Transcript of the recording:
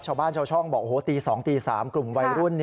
ชาวบ้านชาวช่องบอกโอ้โหตี๒ตี๓กลุ่มวัยรุ่น